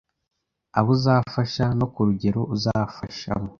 abo uzafasha no ku rugero uzafashamo.